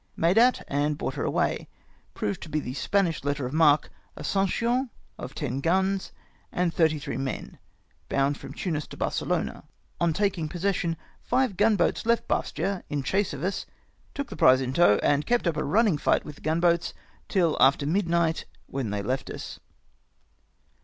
Made at and brought her away. Proved to be the Spanish letter of marque Assuncion, of ten guns and thirty three men, bound from Tunis to Barcelona. On taking possession, five gun boats left Bastia in chase of us ; took the prize in tow, and kept up a running fight with the gun boats till after miduight, when they left us.